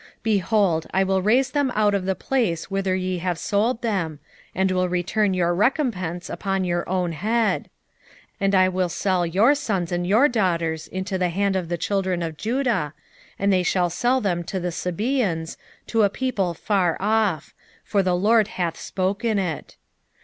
3:7 Behold, I will raise them out of the place whither ye have sold them, and will return your recompence upon your own head: 3:8 And I will sell your sons and your daughters into the hand of the children of Judah, and they shall sell them to the Sabeans, to a people far off: for the LORD hath spoken it.